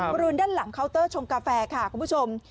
บริเวณด้านหลังเคาน์เตอร์ชงกาแฟค่ะคุณผู้ชม